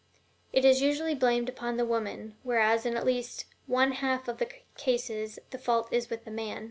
It is usually blamed upon the woman, whereas in at least one half of the cases the fault is with the man.